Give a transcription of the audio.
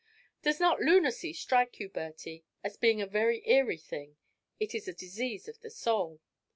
Does not lunacy strike you, Bertie, as being a very eerie thing? It is a disease of the soul.